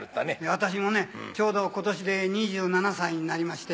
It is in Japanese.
私もねちょうど今年で２７歳になりまして。